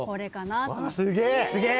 すげえ！